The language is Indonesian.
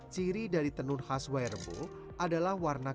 ciri dari tenun khas y rebo adalah warna kain